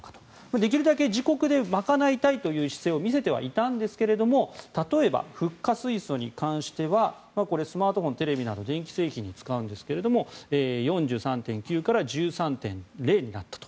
できるだけ自国で賄いたいという姿勢を見せてはいたんですが例えば、フッ化水素に関してはスマートフォン、テレビなど電気製品に使うんですけれども４３．９から１３．０になったと。